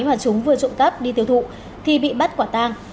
mà chúng vừa trộm cắp đi tiêu thụ thì bị bắt quả tang